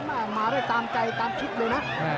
มามาด้วยตามใกล้ตามคิดเลยนะ